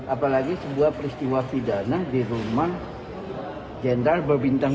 apalagi sebuah peristiwa pidana di rumah jenderal berbintang